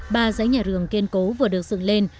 ba dãy nhà rường kiên cố vừa được dựng lên